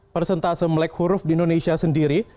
persentase melek huruf di indonesia sendiri